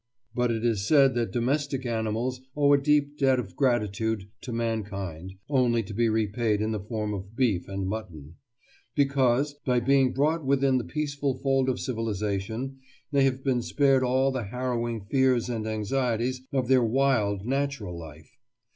But it is said that domesticated animals owe a deep debt of gratitude to mankind (only to be repaid in the form of beef and mutton), because, by being brought within the peaceful fold of civilisation, they have been spared all the harrowing fears and anxieties of their wild natural life.